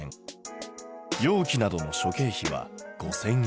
容器などの諸経費は５，０００円。